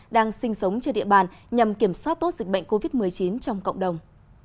đang sinh sống trên địa bàn nhằm kiểm soát tốt dịch bệnh covid một mươi chín trong cộng đồng